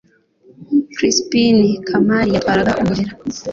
krispini kamali yatwaraga umulera